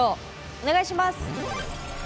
お願いします。